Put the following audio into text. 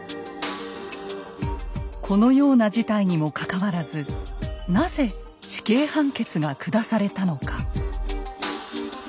このような事態にもかかわらずなぜ死刑判決が下されたのか。